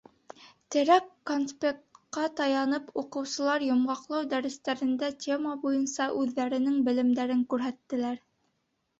Терәк конспектҡа таянып, уҡыусылар йомғаҡлау дәрестәрендә тема буйынса үҙҙәренең белемдәрен күрһәтәләр.